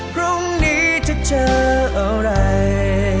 พรุ่งนี้จะเจออะไร